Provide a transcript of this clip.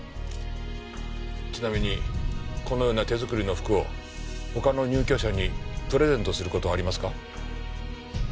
ちなみにこのような手作りの服を他の入居者にプレゼントする事はありますか？